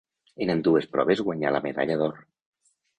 En ambdues proves guanyà la medalla d'or.